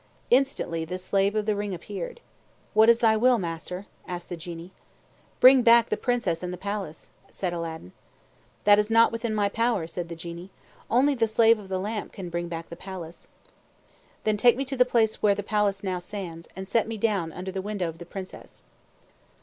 Instantly the Slave of the Ring appeared. "What is thy will, master?" asked the Genie. "Bring back the Princess and the palace," said Aladdin. "That is not within my power," said the Genie. "Only the Slave of the Lamp can bring back the palace." "Then take me to the place where the palace now stands, and set me down under the window of the Princess."